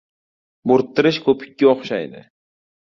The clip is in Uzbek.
• Bo‘rttirish ko‘pikka o‘xshaydi.